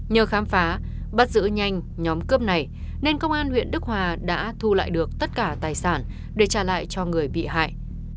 nhờ khám phá bắt giữ nhanh nhóm cướp này nên công an huyện đức hòa đã thu lại được tất cả tài sản để trả lại cho người bị hại